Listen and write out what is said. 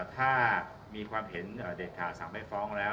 ถ้ามีความเห็นเด็ดขาดสั่งไปฟ้องแล้ว